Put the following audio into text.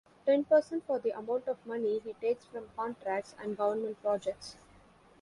Ten Percent for the amount of money he takes from contracts and government projects.